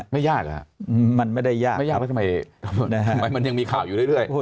ไม่ยากหรือหะไม่ยากว่าทำไมทำไมมันยังมีข่าวอยู่เรื่อย